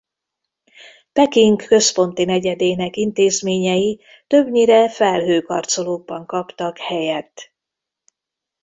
Peking központi negyedének intézményei többnyire felhőkarcolókban kaptak helyet.